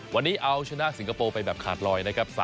วันนี้เอาชนะสิงคโปร์ไปแบบขาดลอยนะครับ